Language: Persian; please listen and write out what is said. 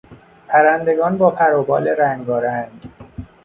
پرندگان با پر و بال رنگارنگ